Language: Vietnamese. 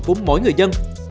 của mỗi người dân